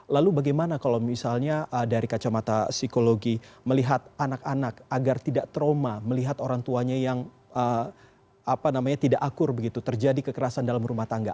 lalu bagaimana kalau misalnya dari kacamata psikologi melihat anak anak agar tidak trauma melihat orang tuanya yang tidak akur begitu terjadi kekerasan dalam rumah tangga